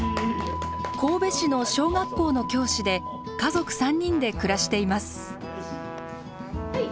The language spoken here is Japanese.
神戸市の小学校の教師で家族３人で暮らしています。